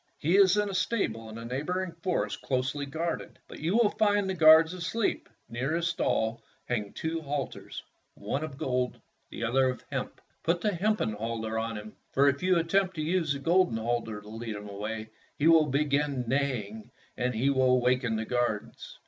He is in a stable in the neighboring forest closely guarded, but you will find the guards asleep. Near his stall hang two halters, one of gold, 43 Fairy Tale Foxes the other of hemp. Put the hempen halter on him, for if you attempt to use the golden halter to lead him away he will begin neigh ing and will waken the guards."